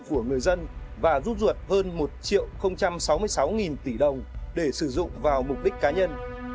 của người dân và rút ruột hơn một sáu mươi sáu tỷ đồng để sử dụng vào mục đích cá nhân